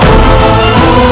baik ayahanda prabu